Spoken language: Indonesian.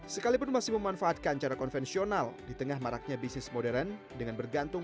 sekalipun masih memanfaatkan cara konvensional di tengah maraknya bisnis modern dengan bergantung